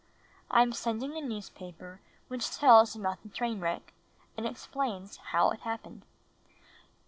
I am sending a newspaper which tells about the train wreck and explains how it happened.